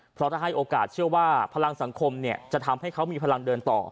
เพราะถ้าให้โอกาสเชื่อว่าพลังสังคมจะทำให้เขามีพลังเดินต่อ